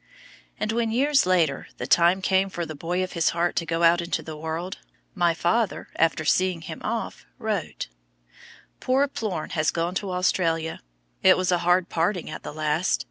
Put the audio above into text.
And when years later the time came for the boy of his heart to go out into the world, my father, after seeing him off, wrote: "Poor Plorn has gone to Australia. It was a hard parting at the last.